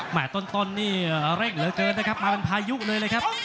ต้นนี่เร่งเหลือเกินนะครับมาเป็นพายุเลยเลยครับ